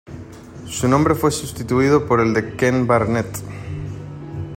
Su nombre fue sustituido por el de Ken Barnett.